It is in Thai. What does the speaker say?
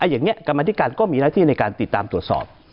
อย่างนี้กรรมธิการก็มีหน้าที่ในการติดตามตรวจสอบ